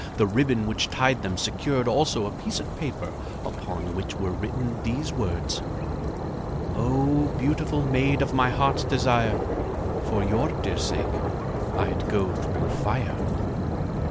The ribbon which tied them secured also a piece of paper upon which were written these words: "Oh, beautiful maid of my heart's desire, For your dear sake I'd go through fire."